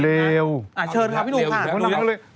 เลวเชิญครับพี่หนุ่มค่ะ